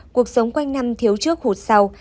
cuộc sống quanh năm thiếu trước hụt sau